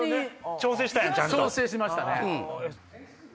調整しましたね。